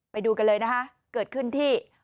ไปดูกันเลยนะคะเกิดขึ้นที่